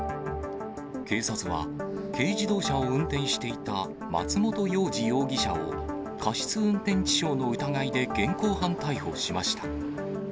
警察は軽自動車を運転していた松本洋司容疑者を、過失運転致傷の疑いで現行犯逮捕しました。